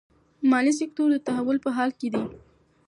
مالي سکتور د تحول په حال کې دی.